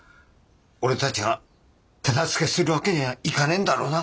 俺たちが手助けする訳にはいかねえんだろうな。